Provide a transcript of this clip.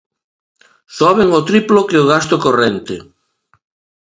Soben o triplo que o gasto corrente.